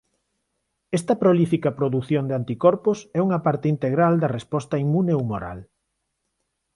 Esta prolífica produción de anticorpos é unha parte integral da resposta inmune humoral.